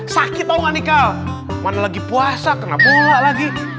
sakit tau gak nikah mana lagi puasa kena bola lagi